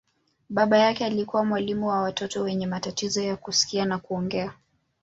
Baba yake alikuwa mwalimu wa watoto wenye matatizo ya kusikia na kuongea.